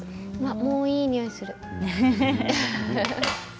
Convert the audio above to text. もういいにおいがする。